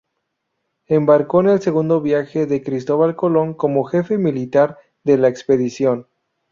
Embarcó en el segundo viaje de Cristóbal Colón como jefe militar de la expedición.